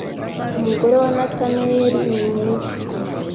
umugore wa nathaniel ni mwiza